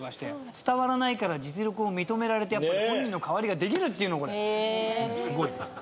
『伝わらない』から実力を認められて本人の代わりができるっていうのすごいです。